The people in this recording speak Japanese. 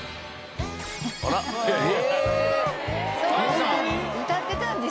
そうなんです。